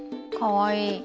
かわいい。